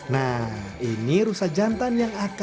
nah ini rusa jantan yang akan